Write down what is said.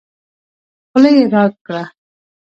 خوله يې راګړه